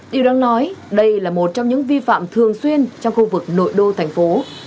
điều đáng nói đây là một trong những vi phạm thường xuyên trong khu vực nội đô thành phố